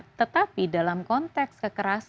nah tetapi dalam konteks kekerasan seksual